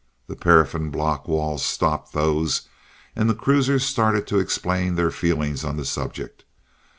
The paraffin block walls stopped those and the cruisers started to explain their feelings on the subject.